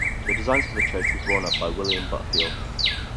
The designs for the church were drawn up by William Butterfield.